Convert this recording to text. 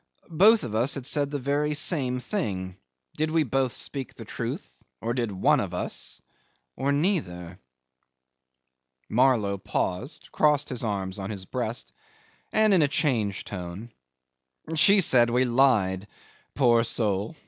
Both of us had said the very same thing. Did we both speak the truth or one of us did or neither? ...' Marlow paused, crossed his arms on his breast, and in a changed tone 'She said we lied. Poor soul!